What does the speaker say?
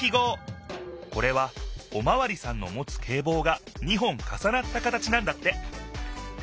これはおまわりさんのもつけいぼうが２本かさなった形なんだって。